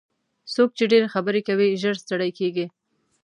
څوک چې ډېرې خبرې کوي ژر ستړي کېږي.